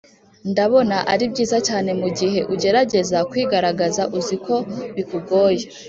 ndabona ari byiza cyane mugihe ugerageza kwigaragaza uzi ko bikugoye.